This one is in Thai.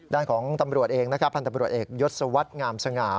ด้านของตำรวจเองนะครับพันธบรวจเอกยศวรรษงามสง่า